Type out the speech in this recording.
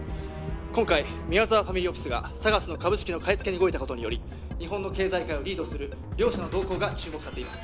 今回宮沢ファミリーオフィスがＳＡＧＡＳの株式の買い付けに動いたことにより日本の経済界をリードする両社の動向が注目されています